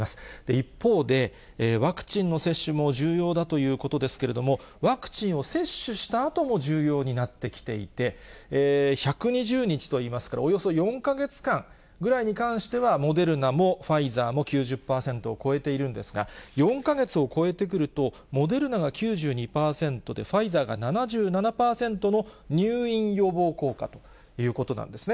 一方で、ワクチンの接種も重要だということですけれども、ワクチンを接種したあとも重要になってきていて、１２０日といいますから、およそ４か月間ぐらいに関しては、モデルナもファイザーも９０％を超えているんですが、４か月を超えてくると、モデルナが９２％で、ファイザーが７７％の入院予防効果ということなんですね。